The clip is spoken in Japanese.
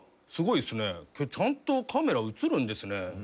すごいっすねちゃんとカメラうつるんですね。